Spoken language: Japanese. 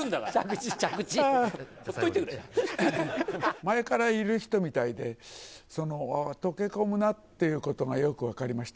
前からいる人みたいで、溶け込むなっていうことがよく分かりました。